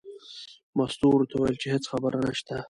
مستو ورته وویل چې هېڅ خبره نشته.